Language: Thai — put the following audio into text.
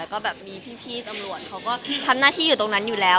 แล้วก็แบบมีพี่ตำรวจเขาก็ทำหน้าที่อยู่ตรงนั้นอยู่แล้ว